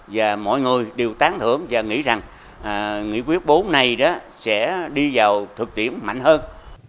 và mọi người đều tán thưởng và nghĩ rằng nghị quyết bốn này sẽ đi vào thực tiễn mạnh hơn